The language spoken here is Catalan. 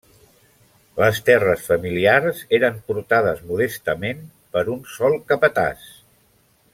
Les terres familiars eren portades modestament per un sol capatàs.